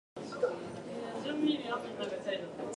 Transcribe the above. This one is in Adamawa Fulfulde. Mi jaɓi wernaago haa suudu ma.